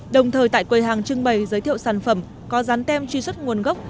đồng thời tại quầy hàng trưng bày giới thiệu sản phẩm có dán tem truy xuất nguồn gốc